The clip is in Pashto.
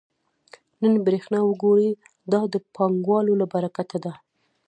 نن برېښنا وګورئ دا د پانګوالو له برکته ده